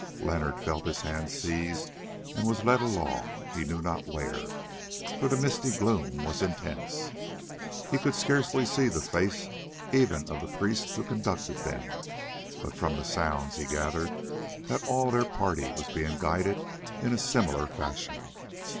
Leonard felt his hand seized and was led along, he knew not where, for the misty gloom was intense. He could scarcely see the face even of the priest who conducted them, but from the sounds he gathered that all their party were being guided in a similar fashion.